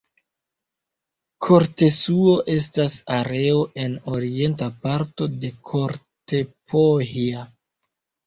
Kortesuo estas areo en orienta parto de Kortepohja.